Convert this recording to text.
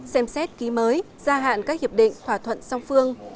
xem xét ký mới gia hạn các hiệp định thỏa thuận song phương